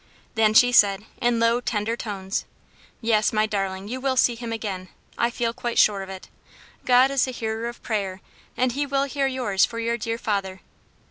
Then she said, in low, tender tones, "Yes, my darling, you will see him again; I feel quite sure of it. God is the hearer of prayer, and he will hear yours for your dear father."